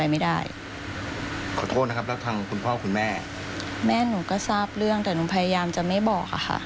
แม่หนูก็ทราบเรื่องแต่หนูพยายามจะไม่บอกค่ะ